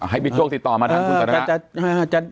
ให้บิ๊กโจ๊กติดต่อมาทั้งคุณสันธนา